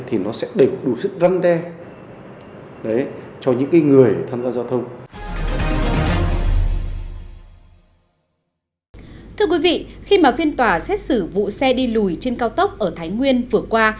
thưa quý vị khi mà phiên tòa xét xử vụ xe đi lùi trên cao tốc ở thái nguyên vừa qua